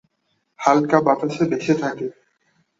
হালকা বাতাসে ভেসে থাকে।